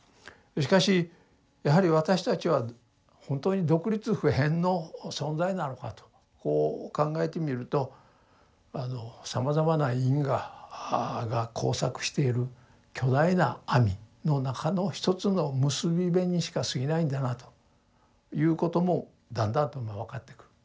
しかしやはり私たちは本当に独立不変の存在なのかとこう考えてみるとさまざまな因果が交錯している巨大な網の中の一つの結び目にしかすぎないんだなということもだんだんとまあ分かってくる。